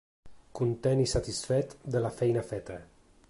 Content i satisfet de la feina feta.